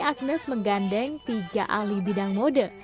agnes menggandeng tiga ahli bidang mode